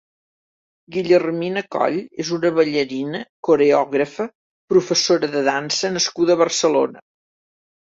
Guillermina Coll és una ballarina, coreògrafa, professora de dansa nascuda a Barcelona.